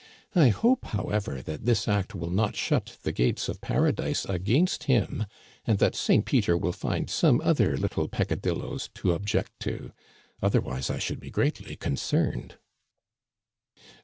I hope, however, that this act will not shut the gates of paradise against him, and that St. Peter will find some other little peccadilloes to object to. Otherwise, I should be greatly concerned."